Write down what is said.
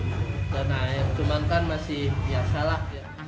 sudah naik cuman kan masih biasa lah